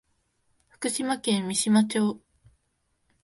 福島県三島町